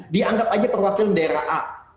dianggap aja perwakilan daerah a